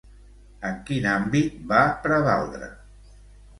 En quin àmbit va prevaldre?